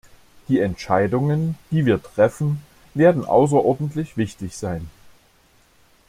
Die Entscheidungen, die wir treffen, werden außerordentlich wichtig sein.